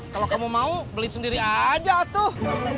kalau kamu mau beli sendiri aja tuh